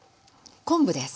昆布です。